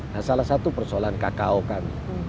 nah salah satu persoalan kko kami